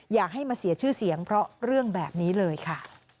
อย่าให้มาเสียชื่อเสียงเพราะเรื่องแบบนี้เลยค่ะ